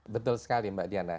betul sekali mbak diana